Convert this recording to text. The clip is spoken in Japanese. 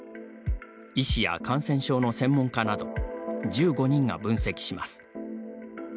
医師や感染症の専門家など１５人が分析します。